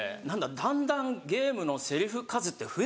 だんだんゲームのセリフ数って増えてない？